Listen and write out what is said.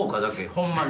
ホンマに。